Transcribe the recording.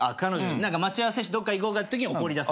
待ち合わせしてどっか行こうかってときに怒りだす。